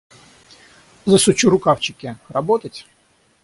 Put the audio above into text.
Засучу рукавчики: работать?